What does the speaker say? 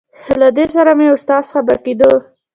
له دې سره به مې استاد خپه کېده.